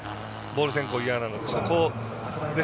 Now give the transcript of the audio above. ボール先行が嫌なので。